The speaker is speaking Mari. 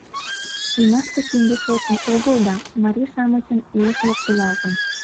«Ӱмаште кинде шочын огыл да, марий-шамычын илыш локтылалтын.